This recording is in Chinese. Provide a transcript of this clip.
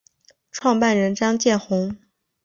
创办人张建宏。